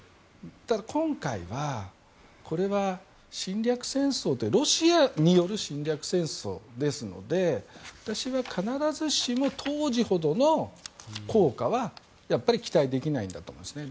ただ、今回はこれは侵略戦争ロシアによる侵略戦争ですので私は必ずしも当時ほどの効果は期待できないんだと思いますね。